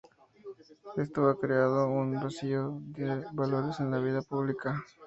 Esto ha creado un vacío de valores en la vida pública.